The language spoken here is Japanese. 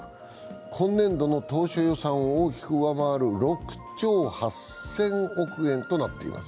今年度の当初予算を大きく上回る６兆８０００億円となっています。